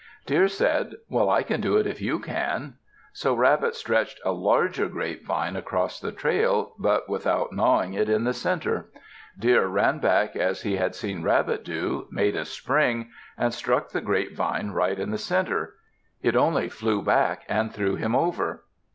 Deer said, "Well, I can do it if you can." So Rabbit stretched a larger grapevine across the trail but without gnawing it in the center. Deer ran back as he had seen Rabbit do, made a spring, and struck the grapevine right in the center. It only flew back and threw him over.